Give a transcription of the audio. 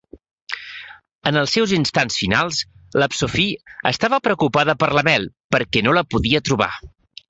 En els seus instants finals, la Sophie estava preocupada per la Mel, perquè no la podia trobar.